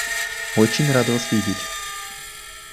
Очень рад вас видеть.